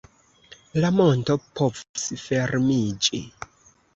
La monto povus fermiĝi.